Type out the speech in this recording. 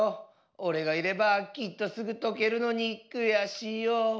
おれがいればきっとすぐとけるのにくやしいよ。